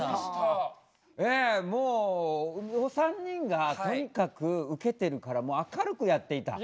ええもうお三人がとにかくウケてるからもう明るくやっていた。